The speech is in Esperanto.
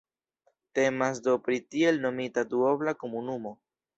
Temas do pri tiel nomita duobla komunumo.